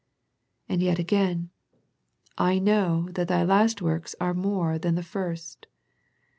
And yet again. " I know ... that thy last works are more than the first."